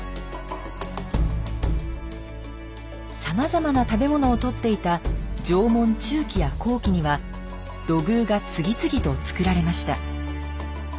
さまざまな食べものをとっていた縄文中期や後期には土偶が次々とつくられました。